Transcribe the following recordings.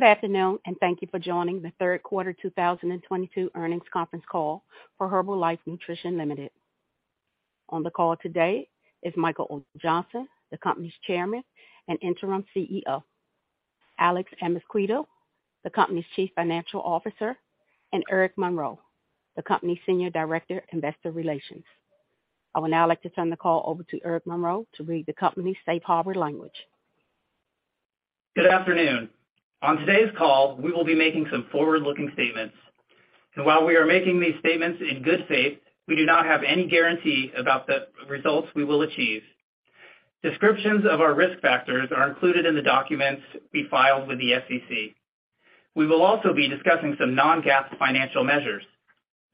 Good afternoon, and thank you for joining the third quarter 2022 earnings conference call for Herbalife Nutrition Limited. On the call today is Michael O. Johnson, the company's Chairman and Interim CEO, Alex Amezquita, the company's Chief Financial Officer, and Eric Monroe, the company's Senior Director, Investor Relations. I would now like to turn the call over to Eric Monroe to read the company's safe harbor language. Good afternoon. On today's call, we will be making some forward-looking statements. While we are making these statements in good faith, we do not have any guarantee about the results we will achieve. Descriptions of our risk factors are included in the documents we filed with the SEC. We will also be discussing some non-GAAP financial measures.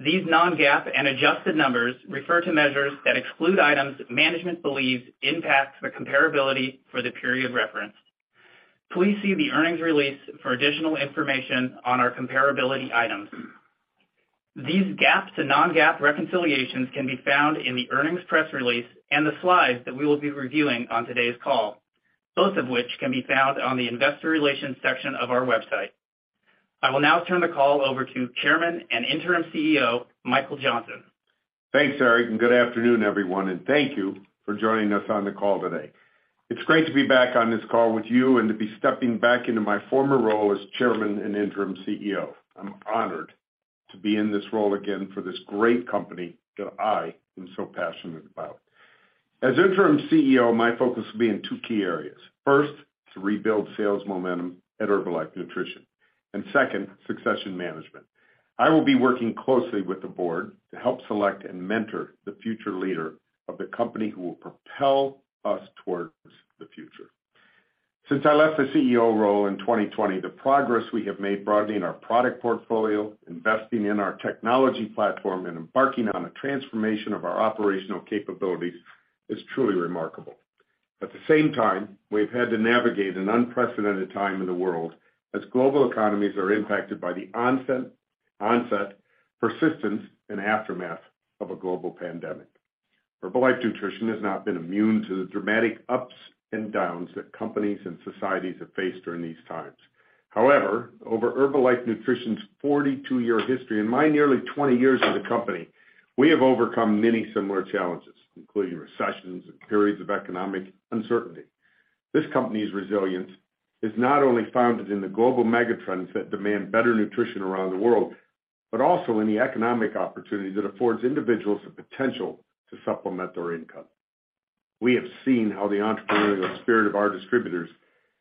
These non-GAAP and adjusted numbers refer to measures that exclude items management believes impact the comparability for the period referenced. Please see the earnings release for additional information on our comparability items. These GAAP to non-GAAP reconciliations can be found in the earnings press release and the slides that we will be reviewing on today's call, both of which can be found on the investor relations section of our website. I will now turn the call over to Chairman and Interim CEO, Michael Johnson. Thanks, Eric, and good afternoon, everyone, and thank you for joining us on the call today. It's great to be back on this call with you and to be stepping back into my former role as Chairman and Interim CEO. I'm honored to be in this role again for this great company that I am so passionate about. As Interim CEO, my focus will be in two key areas. First, to rebuild sales momentum at Herbalife Nutrition. Second, succession management. I will be working closely with the board to help select and mentor the future leader of the company who will propel us towards the future. Since I left the CEO role in 2020, the progress we have made broadening our product portfolio, investing in our technology platform, and embarking on a transformation of our operational capabilities is truly remarkable. At the same time, we've had to navigate an unprecedented time in the world as global economies are impacted by the onset, persistence, and aftermath of a global pandemic. Herbalife Nutrition has not been immune to the dramatic ups and downs that companies and societies have faced during these times. However, over Herbalife Nutrition's 42-year history and my nearly 20 years with the company, we have overcome many similar challenges, including recessions and periods of economic uncertainty. This company's resilience is not only founded in the global megatrends that demand better nutrition around the world, but also in the economic opportunity that affords individuals the potential to supplement their income. We have seen how the entrepreneurial spirit of our distributors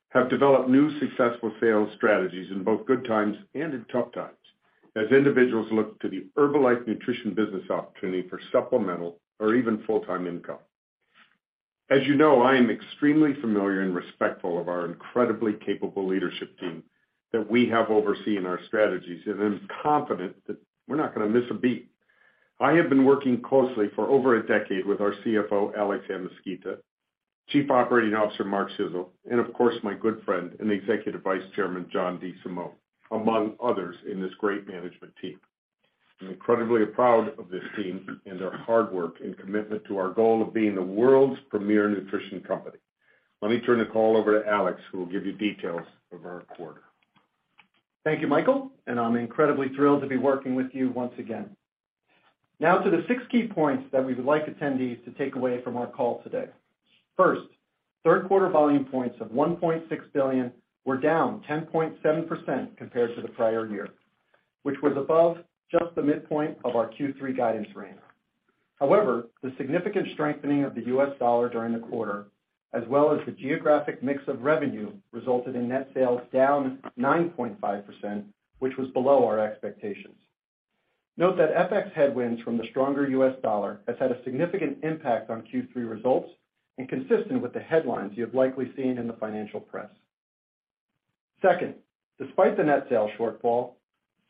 have developed new successful sales strategies in both good times and in tough times, as individuals look to the Herbalife Nutrition business opportunity for supplemental or even full-time income. As you know, I am extremely familiar and respectful of our incredibly capable leadership team that we have overseeing our strategies and am confident that we're not gonna miss a beat. I have been working closely for over a decade with our CFO, Alex Amezquita, Chief Operating Officer, Mark Schissel, and of course, my good friend and Executive Vice Chairman, John DeSimone, among others in this great management team. I'm incredibly proud of this team and their hard work and commitment to our goal of being the world's premier nutrition company. Let me turn the call over to Alex, who will give you details of our quarter. Thank you, Michael, and I'm incredibly thrilled to be working with you once again. Now to the six key points that we would like attendees to take away from our call today. First, third quarter volume points of 1.6 billion were down 10.7% compared to the prior year, which was above just the midpoint of our Q3 guidance range. However, the significant strengthening of the U.S. dollar during the quarter, as well as the geographic mix of revenue, resulted in net sales down 9.5%, which was below our expectations. Note that FX headwinds from the stronger U.S. dollar has had a significant impact on Q3 results and consistent with the headlines you have likely seen in the financial press. Second, despite the net sales shortfall,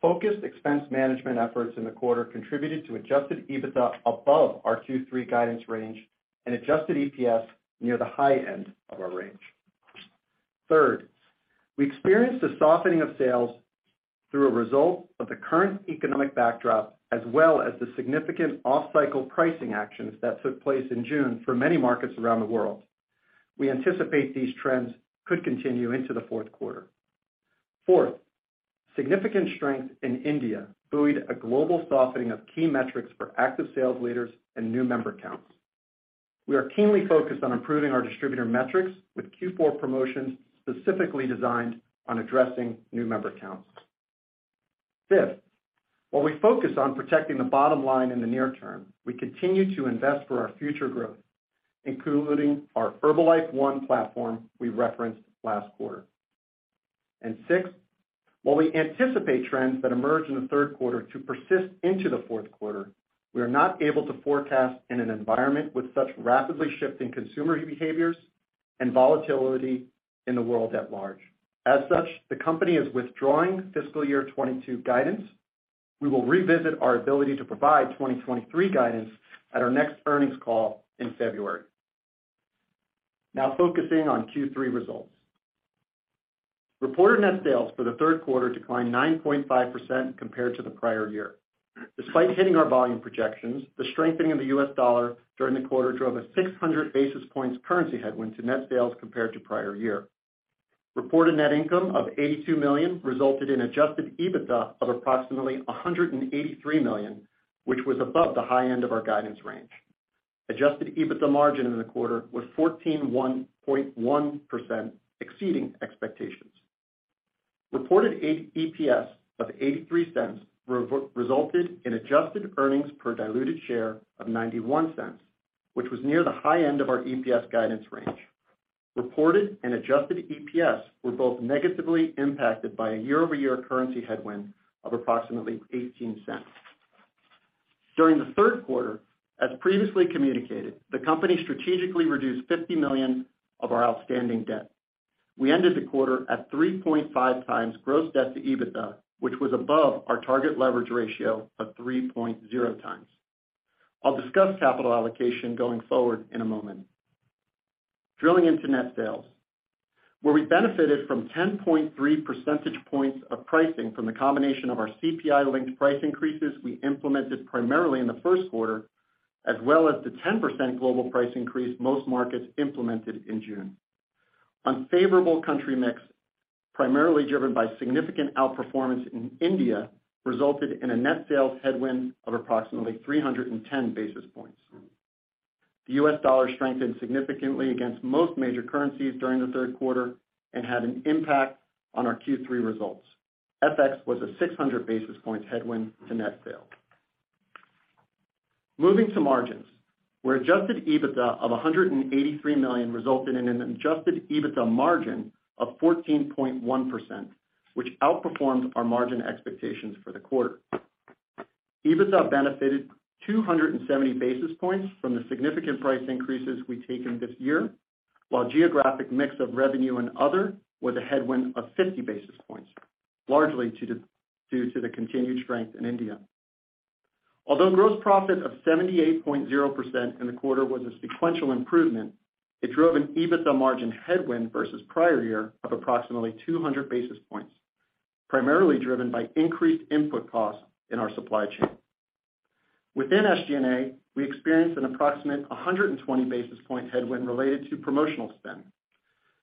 focused expense management efforts in the quarter contributed to Adjusted EBITDA above our Q3 guidance range and adjusted EPS near the high end of our range. Third, we experienced a softening of sales as a result of the current economic backdrop, as well as the significant off-cycle pricing actions that took place in June for many markets around the world. We anticipate these trends could continue into the fourth quarter. Fourth, significant strength in India buoyed a global softening of key metrics for active sales leaders and new member counts. We are keenly focused on improving our distributor metrics with Q4 promotions specifically designed to address new member counts. Fifth, while we focus on protecting the bottom line in the near term, we continue to invest for our future growth, including our Herbalife One platform we referenced last quarter. Sixth, while we anticipate trends that emerge in the third quarter to persist into the fourth quarter, we are not able to forecast in an environment with such rapidly shifting consumer behaviors and volatility in the world at large. As such, the company is withdrawing fiscal year 2022 guidance. We will revisit our ability to provide 2023 guidance at our next earnings call in February. Now focusing on Q3 results. Reported net sales for the third quarter declined 9.5% compared to the prior year. Despite hitting our volume projections, the strengthening of the U.S. dollar during the quarter drove a 600 basis points currency headwind to net sales compared to prior year. Reported net income of $82 million resulted in Adjusted EBITDA of approximately $183 million, which was above the high end of our guidance range. Adjusted EBITDA margin in the quarter was 14.1%, exceeding expectations. Reported EPS of $0.83 resulted in adjusted earnings per diluted share of $0.91, which was near the high end of our EPS guidance range. Reported and adjusted EPS were both negatively impacted by a year-over-year currency headwind of approximately $0.18. During the third quarter, as previously communicated, the company strategically reduced $50 million of our outstanding debt. We ended the quarter at 3.5x gross debt-to-EBITDA, which was above our target leverage ratio of 3.0 times. I'll discuss capital allocation going forward in a moment. Drilling into net sales, where we benefited from 10.3 percentage points of pricing from the combination of our CPI-linked price increases we implemented primarily in the first quarter, as well as the 10% global price increase most markets implemented in June. Unfavorable country mix, primarily driven by significant outperformance in India, resulted in a net sales headwind of approximately 310 basis points. The U.S. dollar strengthened significantly against most major currencies during the third quarter and had an impact on our Q3 results. FX was a 600 basis points headwind to net sales. Moving to margins, where Adjusted EBITDA of $183 million resulted in an Adjusted EBITDA margin of 14.1%, which outperformed our margin expectations for the quarter. EBITDA benefited 270 basis points from the significant price increases we've taken this year, while geographic mix of revenue and other was a headwind of 50 basis points, largely due to the continued strength in India. Although gross profit of 78.0% in the quarter was a sequential improvement, it drove an EBITDA margin headwind versus prior year of approximately 200 basis points, primarily driven by increased input costs in our supply chain. Within SG&A, we experienced an approximate 120 basis point headwind related to promotional spend.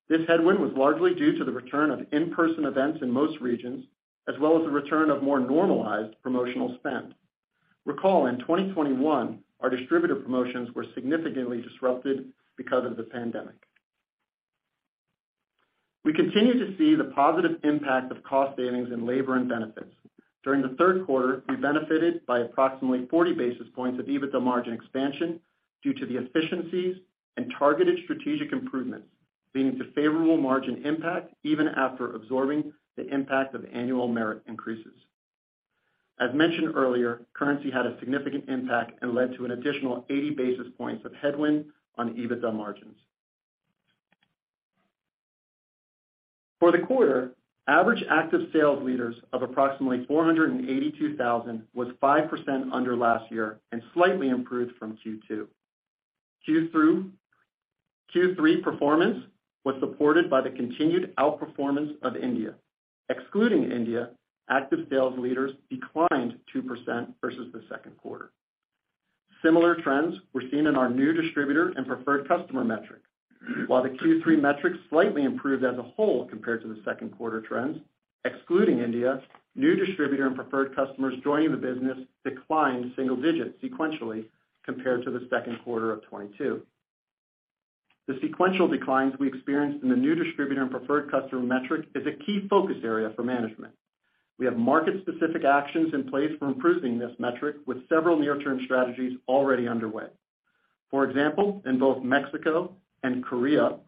This headwind was largely due to the return of in-person events in most regions, as well as the return of more normalized promotional spend. Recall, in 2021, our distributor promotions were significantly disrupted because of the pandemic. We continue to see the positive impact of cost savings in labor and benefits. During the third quarter, we benefited by approximately 40 basis points of EBITDA margin expansion due to the efficiencies and targeted strategic improvements, leading to favorable margin impact even after absorbing the impact of annual merit increases. As mentioned earlier, currency had a significant impact and led to an additional 80 basis points of headwind on EBITDA margins. For the quarter, average active sales leaders of approximately 482,000 was 5% under last year and slightly improved from Q2. Q3 performance was supported by the continued outperformance of India. Excluding India, active sales leaders declined 2% versus the second quarter. Similar trends were seen in our new distributor and preferred customer metric. While the Q3 metrics slightly improved as a whole compared to the second quarter trends, excluding India, new distributor and preferred customers joining the business declined single-digit sequentially compared to the second quarter of 2022. The sequential declines we experienced in the new distributor and preferred customer metric is a key focus area for management. We have market-specific actions in place for improving this metric, with several near-term strategies already underway. For example, in both Mexico and Korea,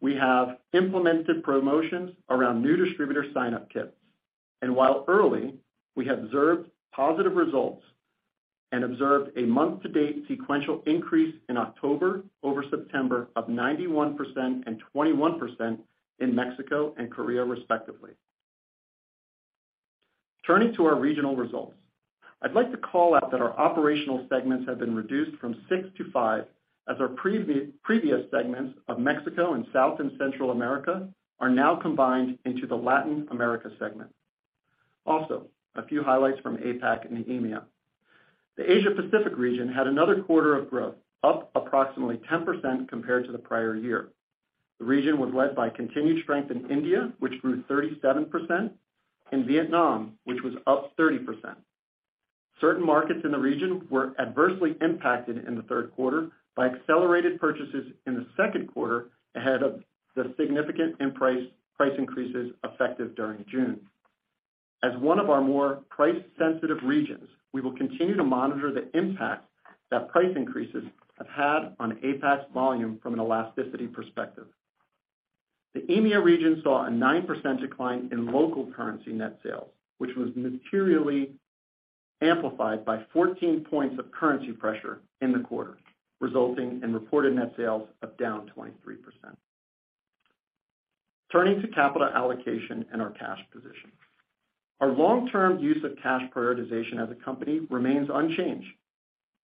we have implemented promotions around new distributor sign-up kits. While early, we observed positive results and observed a month-to-date sequential increase in October over September of 91% and 21% in Mexico and Korea, respectively. Turning to our regional results. I'd like to call out that our operational segments have been reduced from six to five as our previous segments of Mexico and South and Central America are now combined into the Latin America segment. Also, a few highlights from APAC and EMEA. The Asia Pacific region had another quarter of growth, up approximately 10% compared to the prior year. The region was led by continued strength in India, which grew 37%, and Vietnam, which was up 30%. Certain markets in the region were adversely impacted in the third quarter by accelerated purchases in the second quarter ahead of the significant price increases effective during June. As one of our more price-sensitive regions, we will continue to monitor the impact that price increases have had on APAC's volume from an elasticity perspective. The EMEA region saw a 9% decline in local currency net sales, which was materially amplified by 14 points of currency pressure in the quarter, resulting in reported net sales of down 23%. Turning to capital allocation and our cash position. Our long-term use of cash prioritization as a company remains unchanged.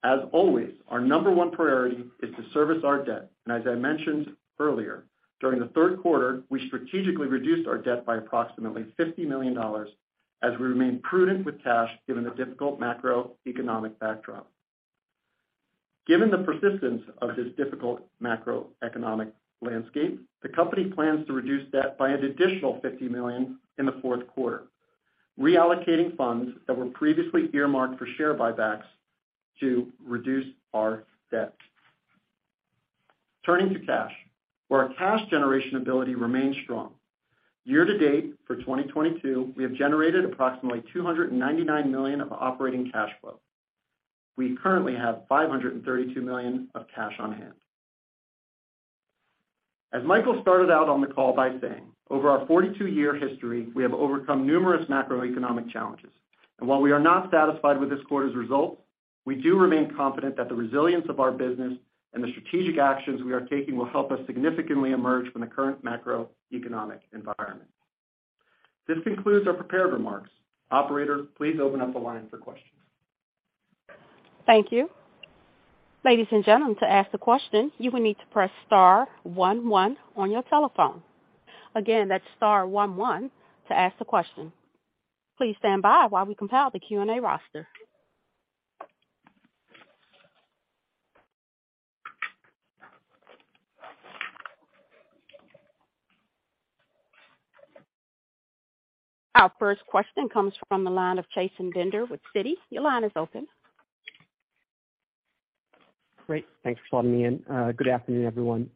As always, our number one priority is to service our debt. As I mentioned earlier, during the third quarter, we strategically reduced our debt by approximately $50 million as we remain prudent with cash given the difficult macroeconomic backdrop. Given the persistence of this difficult macroeconomic landscape, the company plans to reduce debt by an additional $50 million in the fourth quarter, reallocating funds that were previously earmarked for share buybacks to reduce our debt. Turning to cash, where our cash generation ability remains strong. Year to date for 2022, we have generated approximately $299 million of operating cash flow. We currently have $532 million of cash on hand. As Michael started out on the call by saying, over our 42-year history, we have overcome numerous macroeconomic challenges. While we are not satisfied with this quarter's results, we do remain confident that the resilience of our business and the strategic actions we are taking will help us significantly emerge from the current macroeconomic environment. This concludes our prepared remarks. Operator, please open up the line for questions. Thank you. Ladies and gentlemen, to ask the question, you will need to press star one one on your telephone. Again, that's star one one to ask the question. Please stand by while we compile the Q&A roster. Our first question comes from the line of Chasen Bender with Citi. Your line is open. Great. Thanks for letting me in. Good afternoon, everyone.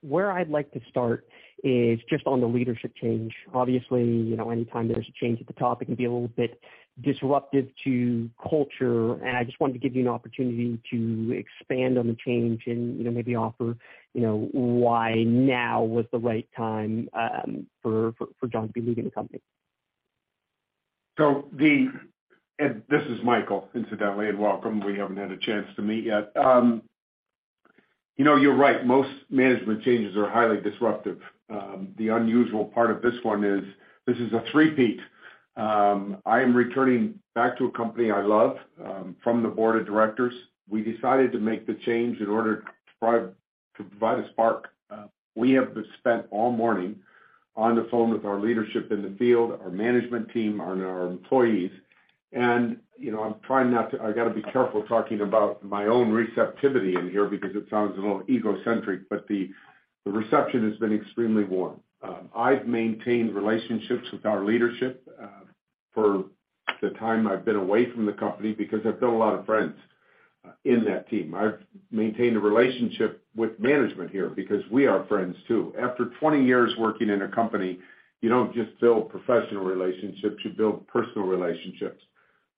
Where I'd like to start is just on the leadership change. Obviously, you know, anytime there's a change at the top, it can be a little bit disruptive to culture. I just wanted to give you an opportunity to expand on the change and, you know, maybe offer, you know, why now was the right time, for John to be leading the company. This is Michael, incidentally, and welcome. We haven't had a chance to meet yet. You know, you're right. Most management changes are highly disruptive. The unusual part of this one is this is a three-peat. I am returning back to a company I love, from the board of directors. We decided to make the change in order to provide a spark. We have spent all morning on the phone with our leadership in the field, our management team, and our employees. You know, I'm trying not to. I gotta be careful talking about my own receptivity in here because it sounds a little egocentric, but the reception has been extremely warm. I've maintained relationships with our leadership, for the time I've been away from the company because I've built a lot of friends in that team. I've maintained a relationship with management here because we are friends too. After 20 years working in a company, you don't just build professional relationships, you build personal relationships.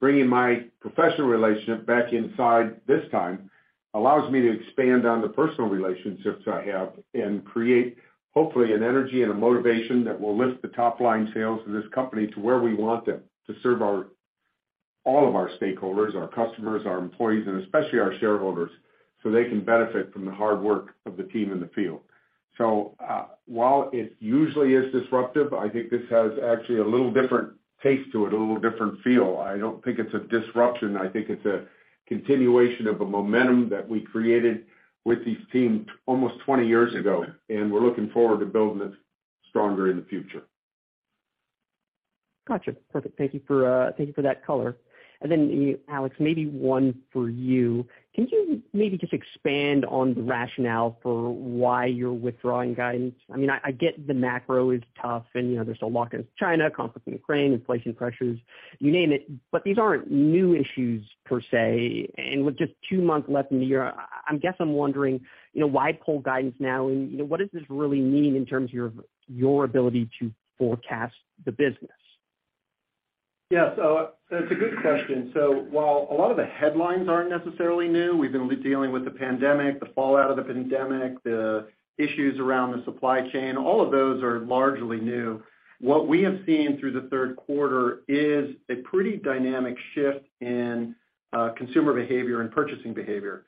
Bringing my professional relationship back inside this time allows me to expand on the personal relationships I have and create, hopefully, an energy and a motivation that will lift the top-line sales of this company to where we want them to serve our, all of our stakeholders, our customers, our employees, and especially our shareholders, so they can benefit from the hard work of the team in the field. While it usually is disruptive, I think this has actually a little different taste to it, a little different feel. I don't think it's a disruption. I think it's a continuation of a momentum that we created with these teams almost 20 years ago, and we're looking forward to building it stronger in the future. Gotcha. Perfect. Thank you for that color. Then Alex, maybe one for you. Can you maybe just expand on the rationale for why you're withdrawing guidance? I mean, I get the macro is tough and, you know, there's a lot against China, conflict in Ukraine, inflation pressures, you name it. These aren't new issues per se. With just two months left in the year, I guess I'm wondering, you know, why pull guidance now? You know, what does this really mean in terms of your ability to forecast the business? Yeah. It's a good question. While a lot of the headlines aren't necessarily new, we've been dealing with the pandemic, the fallout of the pandemic, the issues around the supply chain, all of those are largely new. What we have seen through the third quarter is a pretty dynamic shift in consumer behavior and purchasing behavior.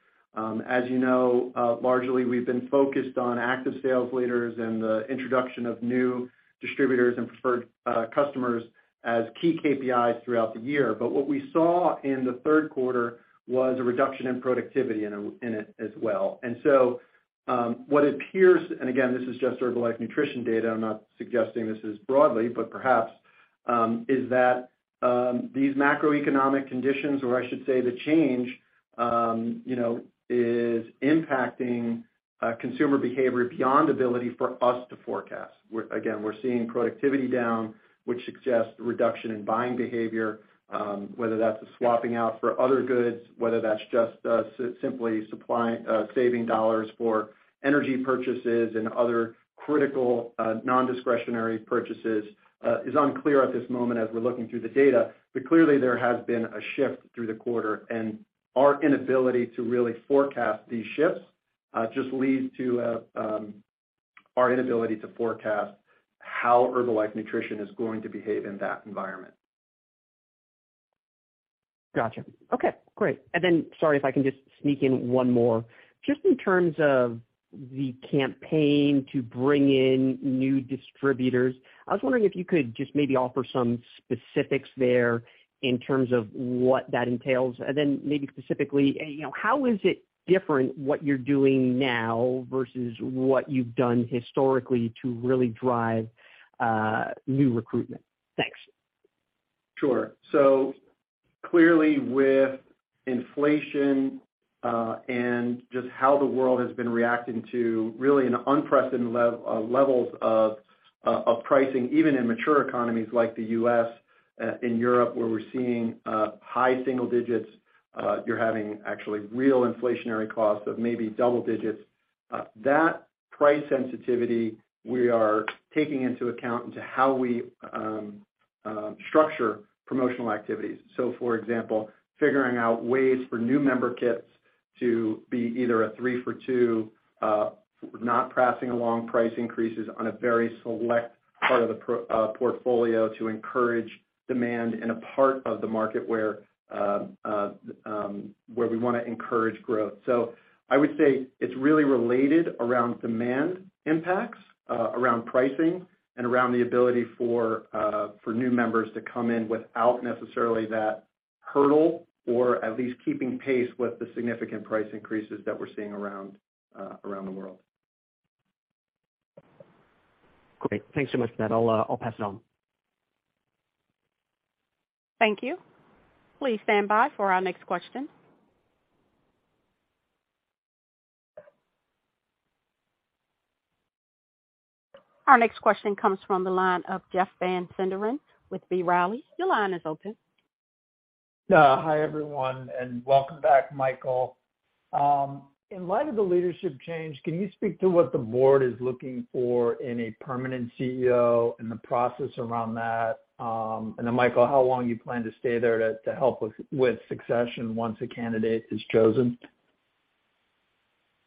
As you know, largely we've been focused on active sales leaders and the introduction of new distributors and preferred customers as key KPIs throughout the year. What we saw in the third quarter was a reduction in productivity in it as well. What appears, and again, this is just Herbalife Nutrition data, I'm not suggesting this is broadly, but perhaps is that these macroeconomic conditions, or I should say the change, you know, is impacting consumer behavior beyond ability for us to forecast. We're seeing productivity down, which suggests reduction in buying behavior, whether that's a swapping out for other goods, whether that's just simply saving dollars for energy purchases and other critical non-discretionary purchases is unclear at this moment as we're looking through the data. Clearly there has been a shift through the quarter and our inability to really forecast these shifts just leads to our inability to forecast how Herbalife Nutrition is going to behave in that environment. Gotcha. Okay, great. Sorry if I can just sneak in one more. Just in terms of the campaign to bring in new distributors, I was wondering if you could just maybe offer some specifics there in terms of what that entails. Maybe specifically, you know, how is it different, what you're doing now versus what you've done historically to really drive new recruitment? Thanks. Sure. Clearly, with inflation and just how the world has been reacting to really an unprecedented levels of pricing, even in mature economies like the US, in Europe, where we're seeing high single digits%, you're having actually real inflationary costs of maybe double digits%. That price sensitivity we are taking into account into how we structure promotional activities. For example, figuring out ways for new member kits to be either a 3 for 2, not passing along price increases on a very select part of the portfolio to encourage demand in a part of the market where we wanna encourage growth. I would say it's really related around demand impacts, around pricing, and around the ability for new members to come in without necessarily that hurdle, or at least keeping pace with the significant price increases that we're seeing around the world. Great. Thanks so much for that. I'll pass it on. Thank you. Please stand by for our next question. Our next question comes from the line of Jeff Van Sinderen with B. Riley. Your line is open. Hi, everyone, and welcome back, Michael. In light of the leadership change, can you speak to what the board is looking for in a permanent CEO and the process around that? Michael, how long do you plan to stay there to help with succession once a candidate is chosen?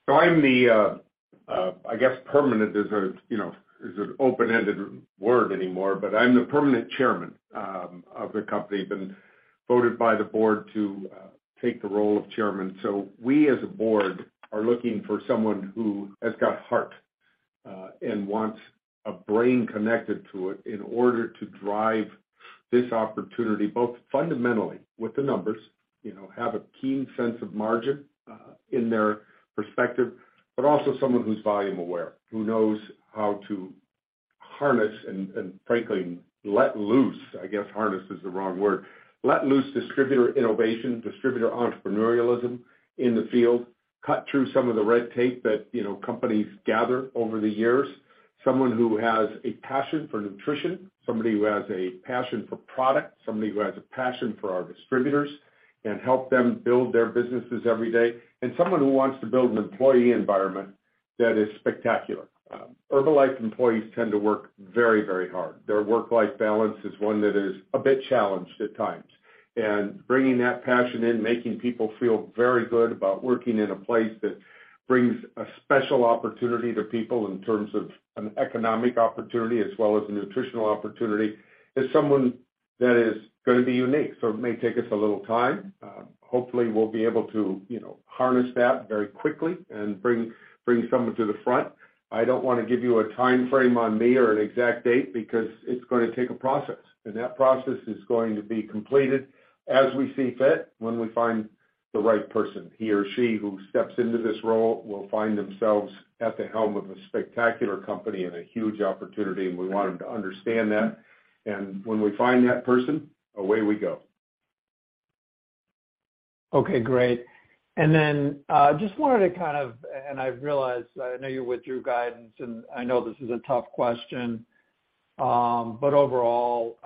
I'm the, I guess permanent is a, you know, is an open-ended word anymore, but I'm the permanent chairman of the company. Been voted by the board to take the role of chairman. We as a board are looking for someone who has got heart and wants a brain connected to it in order to drive this opportunity, both fundamentally with the numbers, you know, have a keen sense of margin in their perspective, but also someone who's volume aware, who knows how to harness and frankly let loose, I guess harness is the wrong word. Let loose distributor innovation, distributor entrepreneurialism in the field, cut through some of the red tape that, you know, companies gather over the years. Someone who has a passion for nutrition, somebody who has a passion for product, somebody who has a passion for our distributors and help them build their businesses every day. Someone who wants to build an employee environment that is spectacular. Herbalife employees tend to work very, very hard. Their work-life balance is one that is a bit challenged at times. Bringing that passion in, making people feel very good about working in a place that brings a special opportunity to people in terms of an economic opportunity as well as a nutritional opportunity, is someone that is gonna be unique. It may take us a little time. Hopefully we'll be able to, you know, harness that very quickly and bring someone to the front. I don't wanna give you a timeframe on me or an exact date because it's gonna take a process, and that process is going to be completed as we see fit when we find the right person. He or she who steps into this role will find themselves at the helm of a spectacular company and a huge opportunity, and we want them to understand that. When we find that person, away we go. Okay, great. Then, just wanted to kind of, and I realize I know you withdrew guidance, and I know this is a tough question, but overall,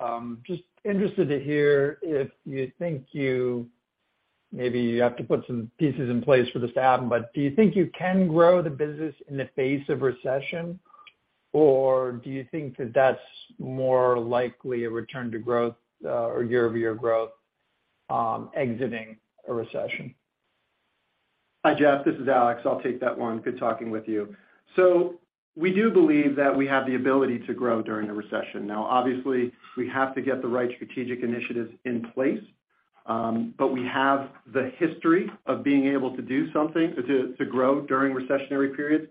just interested to hear if you think you have to put some pieces in place for this to happen, but do you think you can grow the business in the face of recession, or do you think that that's more likely a return to growth, or year-over-year growth, exiting a recession? Hi, Jeff. This is Alex. I'll take that one. Good talking with you. We do believe that we have the ability to grow during a recession. Obviously, we have to get the right strategic initiatives in place, but we have the history of being able to do something to grow during recessionary periods.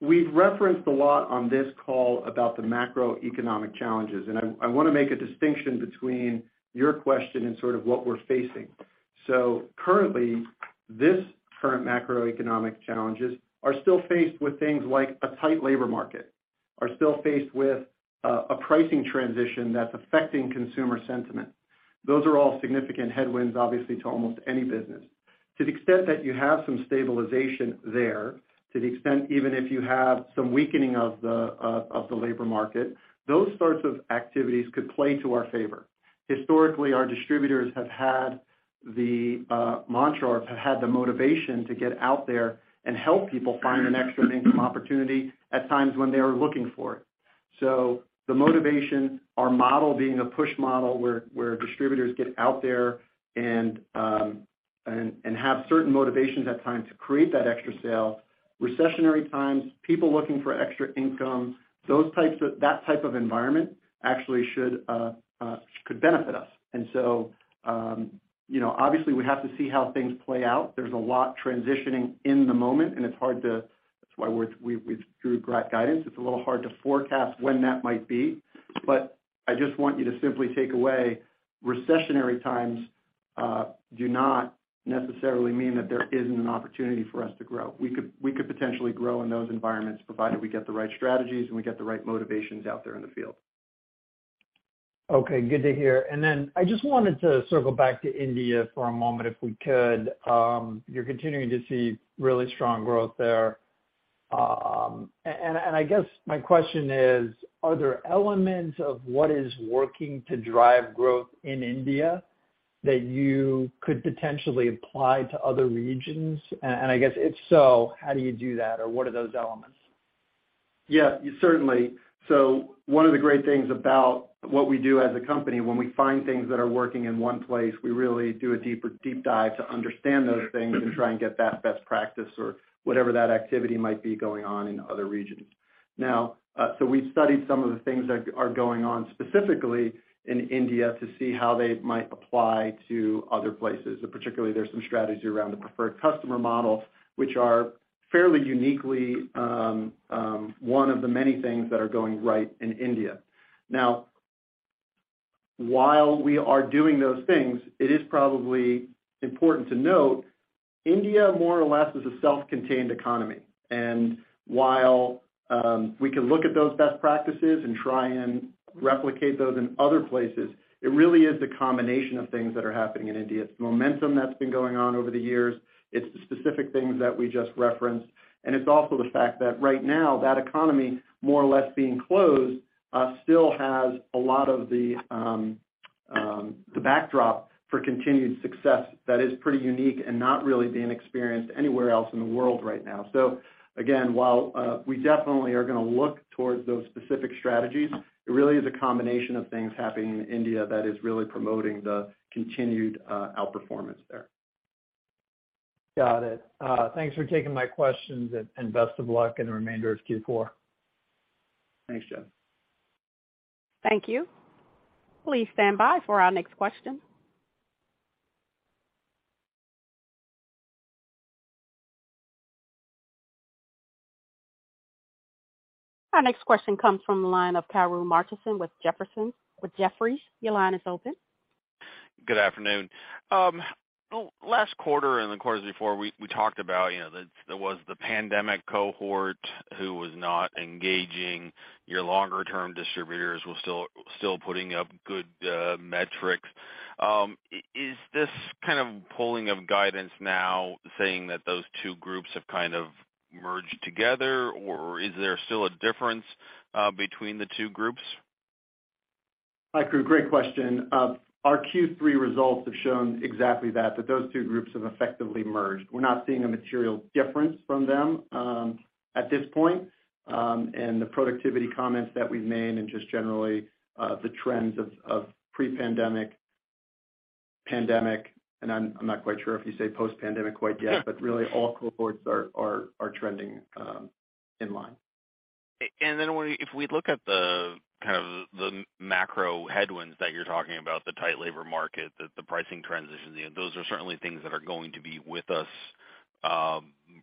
We've referenced a lot on this call about the macroeconomic challenges, and I wanna make a distinction between your question and sort of what we're facing. Currently, these current macroeconomic challenges are still faced with things like a tight labor market, are still faced with a pricing transition that's affecting consumer sentiment. Those are all significant headwinds, obviously, to almost any business. To the extent that you have some stabilization there, to the extent even if you have some weakening of the labor market, those sorts of activities could play to our favor. Historically, our distributors have had the mantra or have had the motivation to get out there and help people find an extra income opportunity at times when they are looking for it. The motivation, our model being a push model where distributors get out there and have certain motivations at times to create that extra sale. Recessionary times, people looking for extra income, that type of environment actually could benefit us. You know, obviously we have to see how things play out. There's a lot transitioning in the moment, and it's hard to. That's why we withdrew guidance. It's a little hard to forecast when that might be. I just want you to simply take away, recessionary times, do not necessarily mean that there isn't an opportunity for us to grow. We could potentially grow in those environments, provided we get the right strategies and we get the right motivations out there in the field. Okay, good to hear. I just wanted to circle back to India for a moment, if we could. You're continuing to see really strong growth there. I guess my question is, are there elements of what is working to drive growth in India that you could potentially apply to other regions? I guess if so, how do you do that? Or what are those elements? Yeah, certainly. One of the great things about what we do as a company, when we find things that are working in one place, we really do a deep dive to understand those things and try and get that best practice or whatever that activity might be going on in other regions. Now, we've studied some of the things that are going on specifically in India to see how they might apply to other places. Particularly, there's some strategy around the preferred customer model, which are fairly uniquely one of the many things that are going right in India. Now, while we are doing those things, it is probably important to note India more or less is a self-contained economy. While we can look at those best practices and try and replicate those in other places, it really is a combination of things that are happening in India. It's momentum that's been going on over the years, it's the specific things that we just referenced, and it's also the fact that right now that economy, more or less being closed, still has a lot of the backdrop for continued success that is pretty unique and not really being experienced anywhere else in the world right now. Again, while we definitely are gonna look towards those specific strategies, it really is a combination of things happening in India that is really promoting the continued outperformance there. Got it. Thanks for taking my questions and best of luck in the remainder of Q4. Thanks, Jeff. Thank you. Please stand by for our next question. Our next question comes from the line of Kaumil Gajrawala with Jefferies. Your line is open. Good afternoon. Last quarter and the quarters before, we talked about, you know, there was the pandemic cohort who was not engaging your longer term distributors while still putting up good metrics. Is this kind of pulling of guidance now saying that those two groups have kind of merged together, or is there still a difference between the two groups? Hi, Kaumil, great question. Our Q3 results have shown exactly that those two groups have effectively merged. We're not seeing a material difference from them at this point. The productivity comments that we've made and just generally the trends of pre-pandemic, pandemic, and I'm not quite sure if you say post-pandemic quite yet, but really, all cohorts are trending in line. Then when we if we look at the kind of the macro headwinds that you're talking about, the tight labor market, the pricing transitions, those are certainly things that are going to be with us,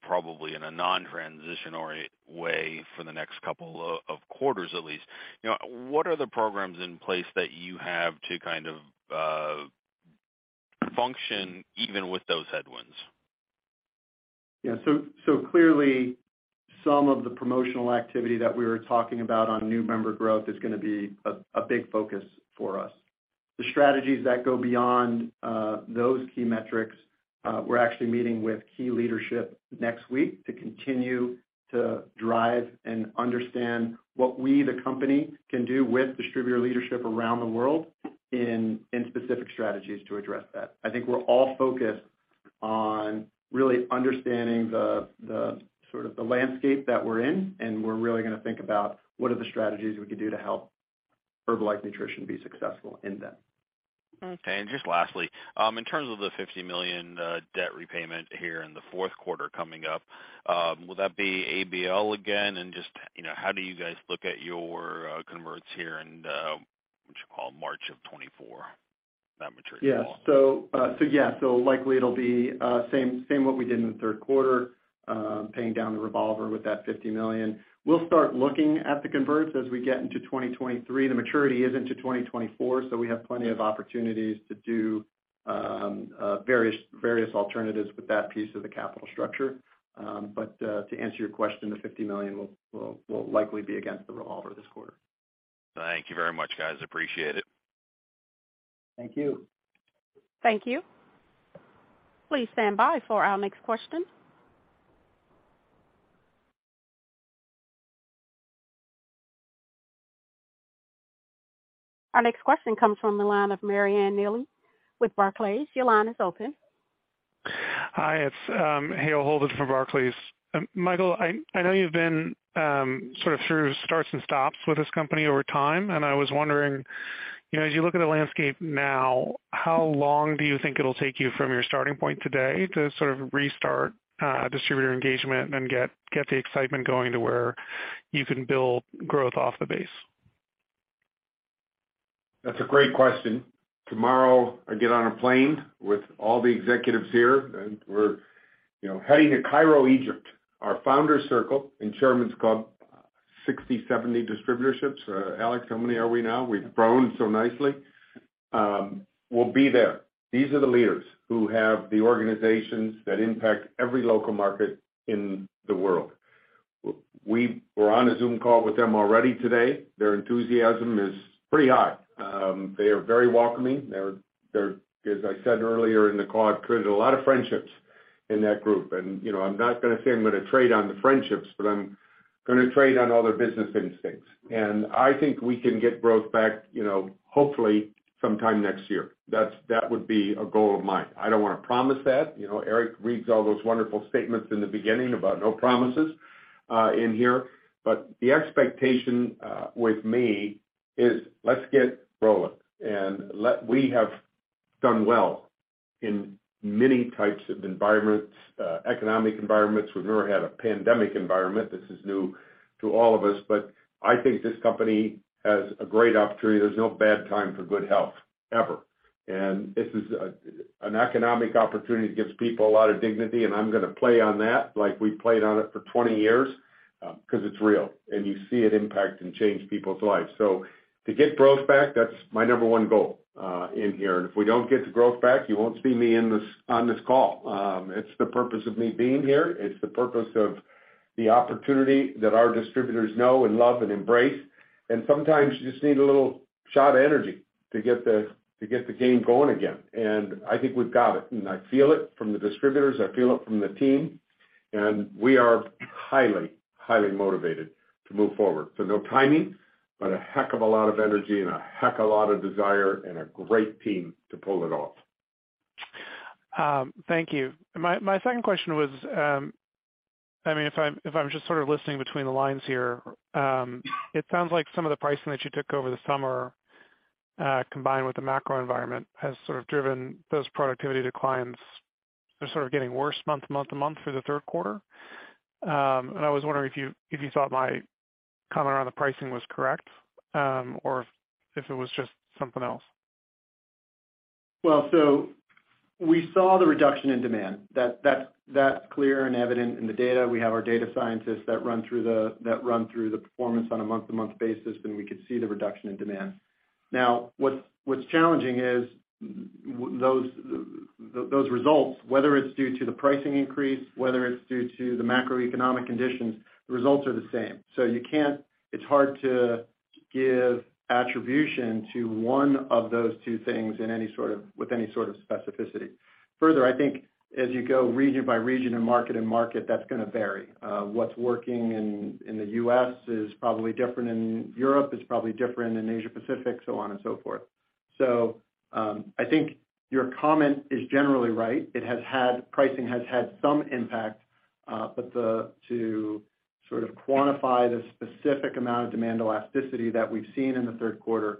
probably in a non-transitory way for the next couple of quarters at least. You know, what are the programs in place that you have to kind of function even with those headwinds? Yeah. Clearly some of the promotional activity that we were talking about on new member growth is gonna be a big focus for us. The strategies that go beyond those key metrics, we're actually meeting with key leadership next week to continue to drive and understand what we, the company, can do with distributor leadership around the world in specific strategies to address that. I think we're all focused on really understanding the sort of landscape that we're in, and we're really gonna think about what are the strategies we could do to help Herbalife Nutrition be successful in them. Okay. Just lastly, in terms of the $50 million debt repayment here in the fourth quarter coming up, will that be ABL again? Just, you know, how do you guys look at your converts here in the what you call March of 2024, that maturity wall? Likely it'll be the same as what we did in the third quarter, paying down the revolver with that $50 million. We'll start looking at the converts as we get into 2023. The maturity isn't until 2024, so we have plenty of opportunities to do various alternatives with that piece of the capital structure. To answer your question, the $50 million will likely be against the revolver this quarter. Thank you very much, guys. Appreciate it. Thank you. Thank you. Please stand by for our next question. Our next question comes from the line of Hale Holden with Barclays. Your line is open. Hi, it's Hale Holden from Barclays. Michael, I know you've been sort of through starts and stops with this company over time, and I was wondering, you know, as you look at the landscape now, how long do you think it'll take you from your starting point today to sort of restart distributor engagement and get the excitement going to where you can build growth off the base? That's a great question. Tomorrow, I get on a plane with all the executives here, and we're, you know, heading to Cairo, Egypt. Our founder's circle and chairman's club 60, 70 distributorships. Alex, how many are we now? We've grown so nicely. We'll be there. These are the leaders who have the organizations that impact every local market in the world. We were on a Zoom call with them already today. Their enthusiasm is pretty high. They are very welcoming. They're, as I said earlier in the call, I've created a lot of friendships in that group. You know, I'm not gonna say I'm gonna trade on the friendships, but I'm gonna trade on all their business instincts. I think we can get growth back, you know, hopefully sometime next year. That's. That would be a goal of mine. I don't wanna promise that. You know, Eric reads all those wonderful statements in the beginning about no promises in here. The expectation with me is let's get rolling. We have done well in many types of environments, economic environments. We've never had a pandemic environment. This is new to all of us, but I think this company has a great opportunity. There's no bad time for good health, ever. This is an economic opportunity that gives people a lot of dignity, and I'm going to play on that like we played on it for 20 years, 'cause it's real, and you see it impact and change people's lives. To get growth back, that's my number one goal in here. If we don't get the growth back, you won't see me in this, on this call. It's the purpose of me being here. It's the purpose of the opportunity that our distributors know and love and embrace. Sometimes you just need a little shot of energy to get the game going again. I think we've got it, and I feel it from the distributors, I feel it from the team, and we are highly motivated to move forward. No timing, but a heck of a lot of energy and a heck of a lot of desire and a great team to pull it off. Thank you. My second question was, I mean, if I'm just sort of listening between the lines here, it sounds like some of the pricing that you took over the summer, combined with the macro environment has sort of driven those productivity declines. They're sort of getting worse month-over-month through the third quarter. I was wondering if you thought my comment on the pricing was correct, or if it was just something else. We saw the reduction in demand. That's clear and evident in the data. We have our data scientists that run through the performance on a month-to-month basis, and we could see the reduction in demand. Now, what's challenging is those results, whether it's due to the pricing increase, whether it's due to the macroeconomic conditions, the results are the same. You can't. It's hard to give attribution to one of those two things with any sort of specificity. Further, I think as you go region by region and market, that's gonna vary. What's working in the U.S. is probably different in Europe, it's probably different in Asia-Pacific, so on and so forth. I think your comment is generally right. It has had pricing has had some impact, but to sort of quantify the specific amount of demand elasticity that we've seen in the third quarter,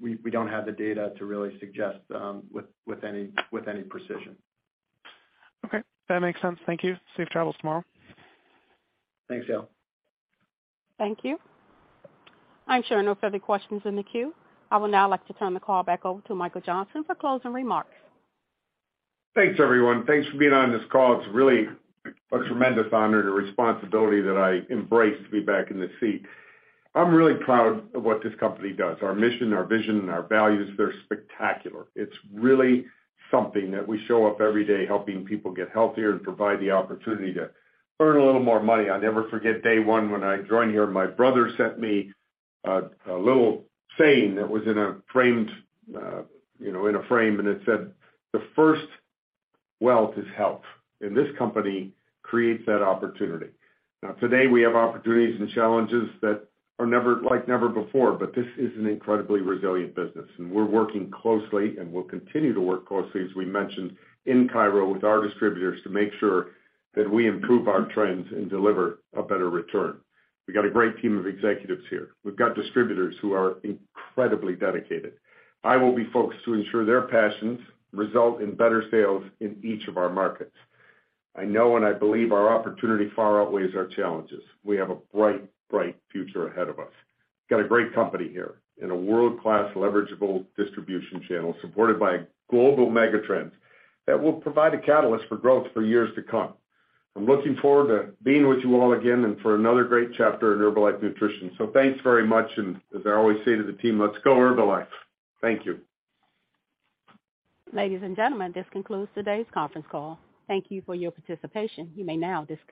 we don't have the data to really suggest with any precision. Okay. That makes sense. Thank you. Safe travels tomorrow. Thanks, Hale. Thank you. I'm showing no further questions in the queue. I would now like to turn the call back over to Michael Johnson for closing remarks. Thanks, everyone. Thanks for being on this call. It's really a tremendous honor and a responsibility that I embrace to be back in this seat. I'm really proud of what this company does. Our mission, our vision, and our values, they're spectacular. It's really something that we show up every day helping people get healthier and provide the opportunity to earn a little more money. I'll never forget day one when I joined here, my brother sent me a little saying that was in a frame, and it said, "The first wealth is health." This company creates that opportunity. Now, today, we have opportunities and challenges that are never, like never before, but this is an incredibly resilient business, and we're working closely and will continue to work closely, as we mentioned, in Cairo with our distributors to make sure that we improve our trends and deliver a better return. We've got a great team of executives here. We've got distributors who are incredibly dedicated. I will be focused to ensure their passions result in better sales in each of our markets. I know and I believe our opportunity far outweighs our challenges. We have a bright future ahead of us. Got a great company here and a world-class leverageable distribution channel supported by global mega-trends that will provide a catalyst for growth for years to come. I'm looking forward to being with you all again and for another great chapter at Herbalife Nutrition. Thanks very much, and as I always say to the team, let's go Herbalife. Thank you. Ladies and gentlemen, this concludes today's conference call. Thank you for your participation. You may now disconnect.